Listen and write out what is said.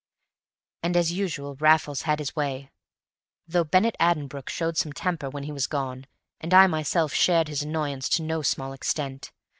And as usual Raffles had his way, though Bennett Addenbrooke showed some temper when he was gone, and I myself shared his annoyance to no small extent.